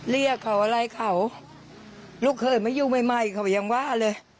เรียกเขาอะไรเขาลุกเขินมาอยู่ใหม่เขาอย่างว่าเลย